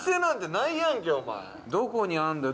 どこにあんだよ？